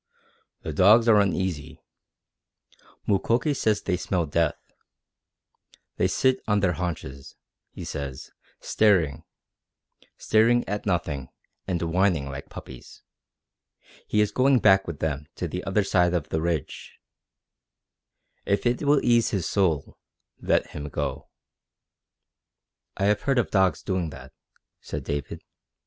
"The dogs are uneasy. Mukoki says they smell death. They sit on their haunches, he says, staring staring at nothing, and whining like puppies. He is going back with them to the other side of the ridge. If it will ease his soul, let him go." "I have heard of dogs doing that," said David.